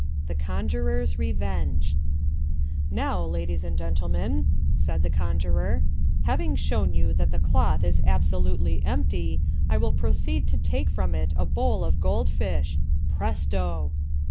The Conjurer's Revenge "Now, ladies and gentlemen," said the conjurer, "having shown you that the cloth is absolutely empty, I will proceed to take from it a bowl of goldfish. Presto!"